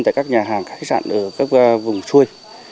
tại các nhà hàng khách sạn ở các vùng xuôi